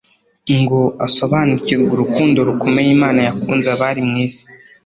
ngo asobanukirwe urukundo rukomeye Imana yakunze abari mu isi,